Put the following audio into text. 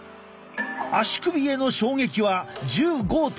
足首への衝撃は１５．５Ｇ。